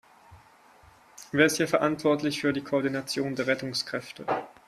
Wer ist hier verantwortlich für die Koordination der Rettungskräfte?